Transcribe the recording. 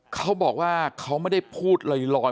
เขาบอกว่าเขาไม่ได้พูดลอย